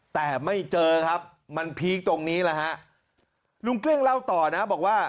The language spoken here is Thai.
แต่ไม่เจอครับมันพีคตรงนี้แหละฮะลุงเก้งเล่าต่อนะบอกว่า